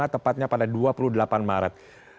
tepatnya pada dua puluh delapan maret